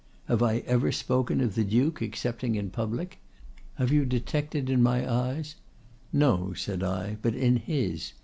Have I ever spoken of the Duke excepting in public? Have you detected in my eyes——?'—'No,' said I, 'but in his.